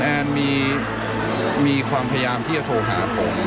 ว่าถามยังไม่โอเคไม่ถูกต้อนคุณแอนมีความพยายามที่จะโทรหาผม